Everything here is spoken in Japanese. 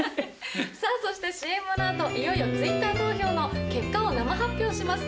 さぁそしてＣＭの後いよいよＴｗｉｔｔｅｒ投票の結果を生発表します。